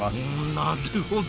なるほど！